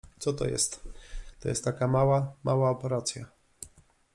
— Co to jest? — To jest taka mała, mała operacja.